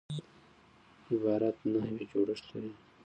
عبارت نحوي جوړښت لري.